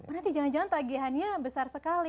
berarti jangan jangan tagihannya besar sekali